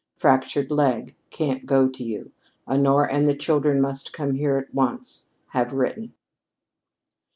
"Fractured leg. Can't go to you. Honora and the children must come here at once. Have written."